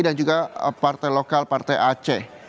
dan juga partai lokal partai aceh